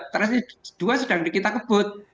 transisi dua sedang dikita kebut